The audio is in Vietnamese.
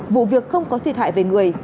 vụ việc không có thiệt hại về người